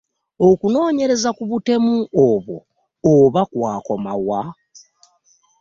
Okunoonyereza ku butemu obwo oba kwakoma wa?